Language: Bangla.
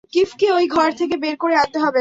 কিফকে ওই ঘর থেকে বের করে আনতে হবে।